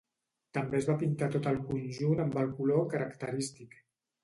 També es va pintar tot el conjunt amb el color característic.